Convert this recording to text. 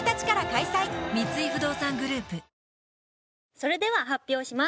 それでは発表します。